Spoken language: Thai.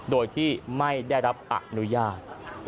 โดยที่ไม่ได้รับอนุญาต